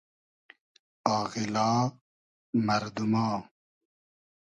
آغیلا مئردوما